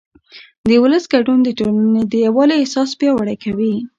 د ولس ګډون د ټولنې د یووالي احساس پیاوړی کوي